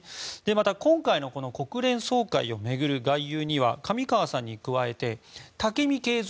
また今回の国連総会を巡る外遊には上川さんに加えて武見敬三